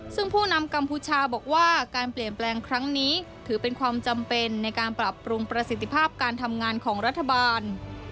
ซึ่งผู้นำกัมพูชาบอกว่าการเปลี่ยนแปลงครั้งนี้ถือเป็นความจำเป็นในการปรับปรุงประสิทธิภาพการทำงานของรัฐบาล